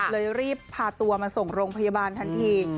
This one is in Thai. รีบพาตัวมาส่งโรงพยาบาลทันที